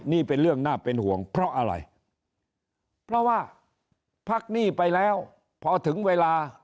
นี่เป็นเรื่องน่าเป็นห่วงเพราะอะไรเพราะว่าพักหนี้ไปแล้วพอถึงเวลา